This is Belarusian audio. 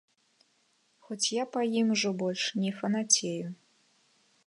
Хоць я па ім ўжо больш не фанацею.